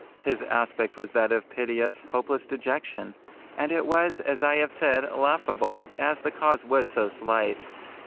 His aspect was that of piteous, hopeless dejection; and it was, as I have said, laughable, as the cause was so slight.